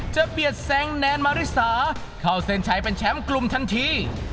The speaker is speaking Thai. เบียดแซงแนนมาริสาเข้าเส้นชัยเป็นแชมป์กลุ่มทันที